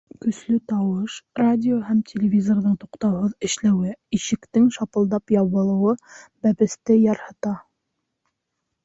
Көслө тауыш, радио һәм телевизорҙың туҡтауһыҙ эшләүе, ишектең шапылдап ябылыуы бәпесте ярһыта.